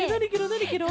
なにケロ？